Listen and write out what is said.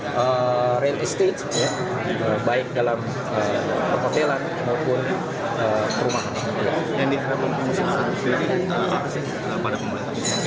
saya ingin memperbaiki lebih banyak